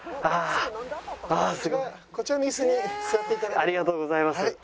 ありがとうございます。